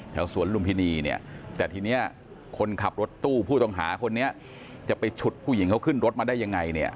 แต่ทีนี้คนขับรถตู้ผู้ต้องหาคนนี้จะไปชุดผู้หญิงเค้าขึ้นรถไฟมาได้ยังไง